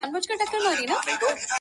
دا د کهف د اصحابو د سپي خپل دی,